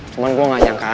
cuman gua ga nyangka aja